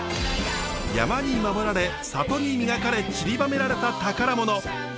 山に守られ里に磨かれちりばめられた宝物。